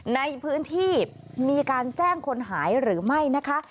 ในพื้นที่มีการแจ้งคนหายหรือไม่นะคะ